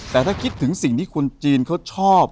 แต่ถ้าคิดถึงสิ่งที่คนจีนเขาชอบ